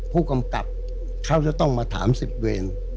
ผู้กำกับเขาจะต้องมาถาม๑๐เวร